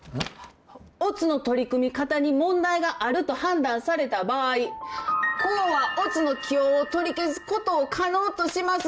「乙の取り組み方に問題があると判断された場合甲は乙の起用を取り消すことを可能とします」